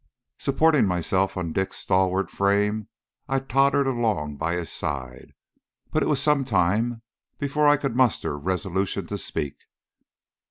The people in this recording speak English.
Supporting myself on Dick's stalwart frame, I tottered along by his side; but it was some time before I could muster resolution to speak.